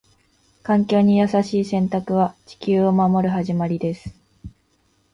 環境に優しい選択は、地球を守る始まりです。